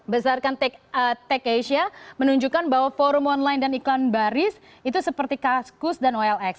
besarkan take asia menunjukkan bahwa forum online dan iklan baris itu seperti kaskus dan olx